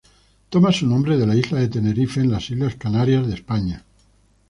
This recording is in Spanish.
Toma su nombre de la isla de Tenerife en las Islas Canarias de España.